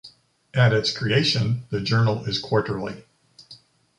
At its creation, the journal is quarterly.